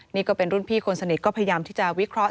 นี่ก็เป็นรุ่นพี่คนสนิทก็พยายามที่จะวิเคราะห